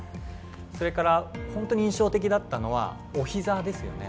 それからほんとに印象的だったのはお膝ですよね。